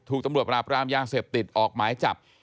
ถูกตำรวจปราบรามยาเสพติดออกหมายจับ